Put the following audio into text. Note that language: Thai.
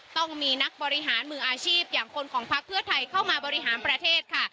ต้องมีนักบริหารมืออาชีพอย่างคนของพักเพื่อไทยเข้ามาบริหารประเทศค่ะ